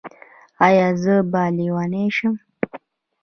ایا زه به لیونۍ شم؟